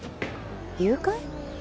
誘拐？